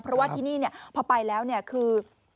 เพราะว่าที่นี่พอไปแล้วเนี่ยคือ